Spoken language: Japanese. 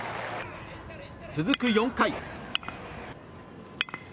続く４回。